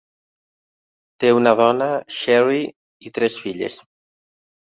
Té una dona, Sherri, i tres filles.